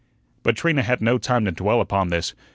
But Trina had no time to dwell upon this.